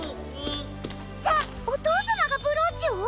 じゃあおとうさまがブローチを！？